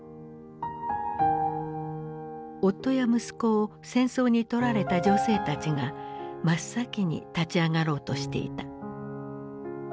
夫や息子を戦争にとられた女性たちが真っ先に立ち上がろうとしていた。